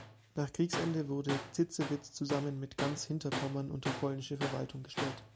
Nach Kriegsende wurde Zitzewitz zusammen mit ganz Hinterpommern unter polnische Verwaltung gestellt.